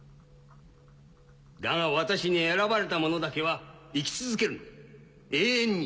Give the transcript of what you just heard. だが私に選ばれた者だけは生き続ける永遠に。